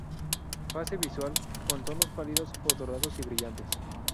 Fase visual: Con tonos pálidos o dorados y brillantes.